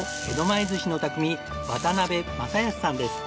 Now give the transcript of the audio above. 前寿司の匠渡邉匡康さんです。